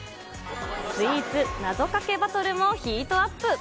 スイーツ謎かけバトルもヒートアップ。